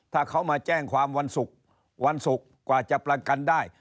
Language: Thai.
ถ้าเขามาแจ้งความวันศุกร์วันศุกร์กว่าจะประกันได้